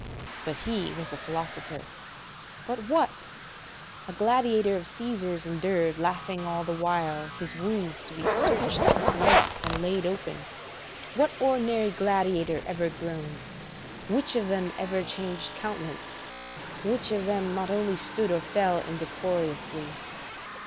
But he was a philosopher. But what! a gladiator of Caesar's endured, laughing all the while, his wounds to be searched, lanced, and laid open: ["What ordinary gladiator ever groaned? Which of them ever changed countenance? Which of them not only stood or fell indecorously?